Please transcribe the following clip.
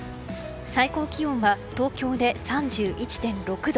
最高気温は、東京で３１．６度。